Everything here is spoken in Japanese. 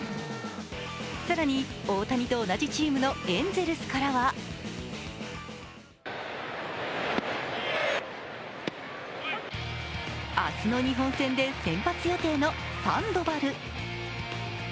更に、大谷と同じチームのエンゼルスからは明日の日本戦で先発予定のサンドバル。